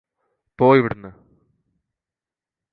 പോ ഇവിടുന്ന്